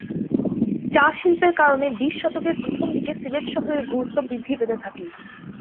চা শিল্পের কারণে বিশ শতকের প্রথম দিকে সিলেট শহরের গুরুত্ব বৃদ্ধি পেতে থাকে।